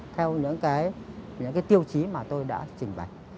theo những tiêu chí mà tôi đã trình bày